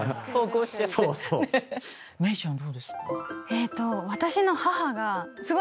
えっと。